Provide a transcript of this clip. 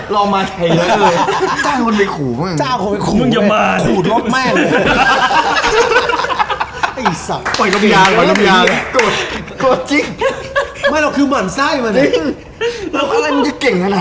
เรามาไทยแล้วเลยจ้างมันไปขู่มึงขู่รอบแม่งเลยไอ้สัตว์โดดจริงไม่เราคือหมั่นไส้มานี่เราทำอะไรมันจะเก่งขนาดนั้นวะ